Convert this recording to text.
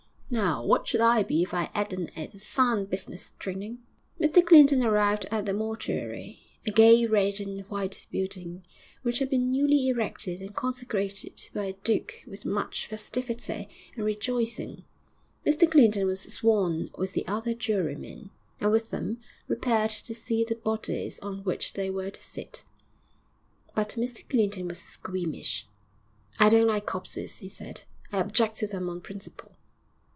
'Now, what should I be if I 'adn't 'ad a sound business training?' Mr Clinton arrived at the mortuary, a gay red and white building, which had been newly erected and consecrated by a duke with much festivity and rejoicing. Mr Clinton was sworn with the other jurymen, and with them repaired to see the bodies on which they were to sit. But Mr Clinton was squeamish. 'I don't like corpses,' he said. 'I object to them on principle.'